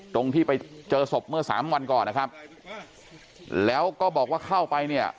ตรงที่ไปเจอศพเมื่อสามวันก่อนนะครับแล้วก็บอกว่าเข้าไปเนี่ย